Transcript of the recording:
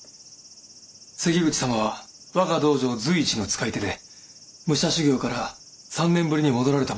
関口様は我が道場随一の使い手で武者修行から３年ぶりに戻られたばかりです。